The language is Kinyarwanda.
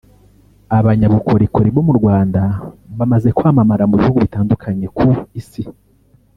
Abanyabukorikori bo mu Rwanda bamaze kwamamara mu bihugu bitandukanye ku isi